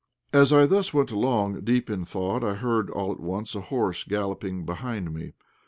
As I thus went along, deep in thought, I heard all at once a horse galloping behind me.